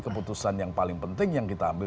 keputusan yang paling penting yang kita ambil